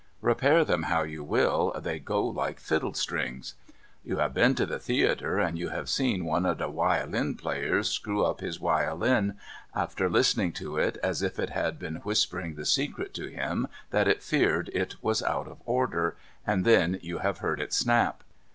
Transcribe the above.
Repair them how you will, they go like fiddle strings. You have been to the theatre, and you have seen one of the wiolin players screw up his wiolin, after listening to it as if it had been whispering the secret to him that it feared it was out of order, and then you have heard it snap.